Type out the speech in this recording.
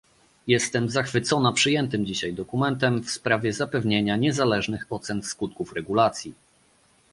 Jestem zachwycona przyjętym dzisiaj dokumentem w sprawie zapewnienia niezależnych ocen skutków regulacji